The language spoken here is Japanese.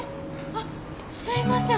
あっすいません！